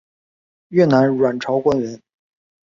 越南阮朝官员。